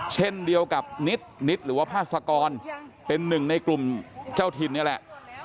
เช่นเดียวกับนิดนิดหรือว่าพาสกรเป็นหนึ่งในกลุ่มเจ้าถิ่นนี่แหละ